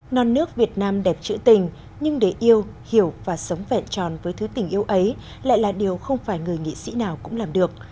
non nước việt nam đẹp trữ tình nhưng để yêu hiểu và sống vẹn tròn với thứ tình yêu ấy lại là điều không phải người nghị sĩ nào cũng làm được